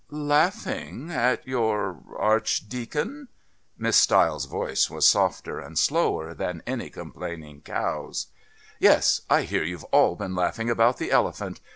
"Laughing at your Archdeacon?" Miss Stiles' voice was softer and slower than any complaining cow's. "Yes. I hear you've all been laughing about the elephant.